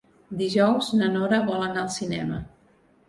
Dijous na Nora vol anar al cinema.